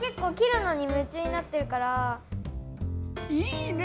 いいね！